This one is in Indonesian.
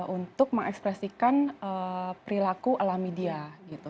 untuk mengekspresikan perilaku ala media gitu